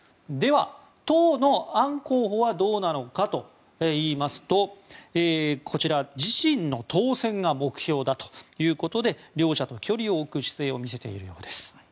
では、当のアン候補はどうなのかというとこちら、自身の当選が目標だということで両者と距離を置く姿勢を見せているようです。